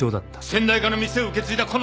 先代から店を受け継いだこの俺の。